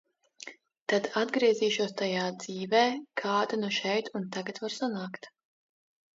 Tad atgriezīšos tajā dzīvē, kāda nu šeit un tagad var sanākt.